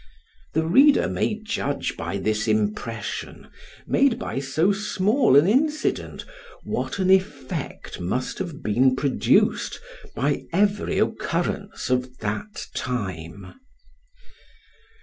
The reader may judge by this impression, made by so small an incident, what an effect must have been produced by every occurrence of that time.